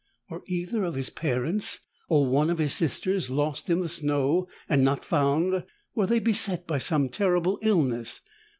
Were either of his parents or one of his sisters lost in the snow and not found? Were they beset by some terrible illness?